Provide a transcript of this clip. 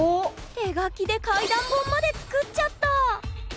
手書きで怪談本まで作っちゃった！